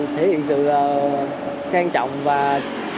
thể hiện sự sang trọng và tươi